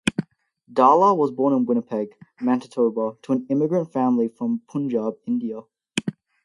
Dhalla was born in Winnipeg, Manitoba to an immigrant family from Punjab, India.